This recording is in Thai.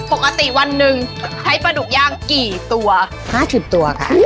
ปกติวันนึงใช้ปลาดุกย่างกี่ตัว